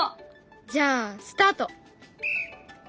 じゃあスタート！